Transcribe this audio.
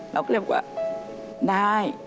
แล้วก็เรียกว่าได้